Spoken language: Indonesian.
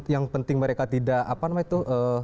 yang penting mereka tidak apa namanya itu